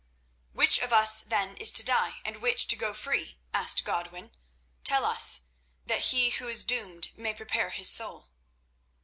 "Which of us, then, is to die, and which to go free?" asked Godwin. "Tell us, that he who is doomed may prepare his soul."